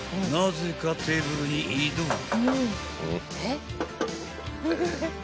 なぜかテーブルに移動］